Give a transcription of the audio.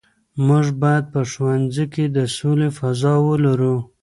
موږ باید په ښوونځي کې د سولې فضا ولرو.